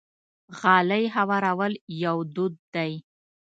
غالۍ هوارول یو دود دی.